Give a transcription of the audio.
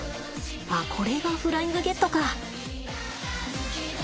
ああこれがフライングゲットか。